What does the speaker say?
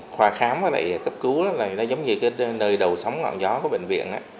khoa khám và cấp cứu là giống như nơi đầu sóng ngọn gió của bệnh viện